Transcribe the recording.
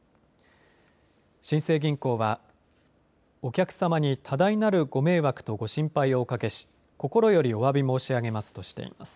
新生銀行はお客様に多大なるご迷惑とご心配をおかけし心よりおわび申し上げますとしています。